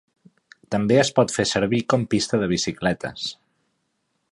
També es pot fer servir com pista de bicicletes.